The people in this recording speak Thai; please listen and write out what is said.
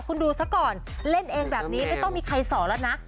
คุณดูซะก่อนเล่นเองแบบนี้ไม่ต้องมีใครสอนแล้วนะ